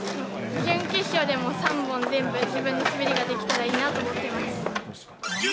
準決勝でも３本全部自分の滑りができたらいいなと思ってます。